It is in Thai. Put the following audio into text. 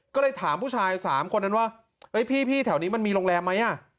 ก็เลยถามผู้ชาย๓คนนั้นว่าเฮ้ยพี่แถวนี้มันมีโรงแรมไหม